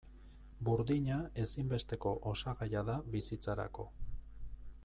Burdina ezinbesteko osagaia da bizitzarako.